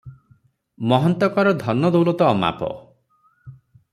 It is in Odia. ମହନ୍ତଙ୍କର ଧନ ଦୌଲତ ଅମାପ ।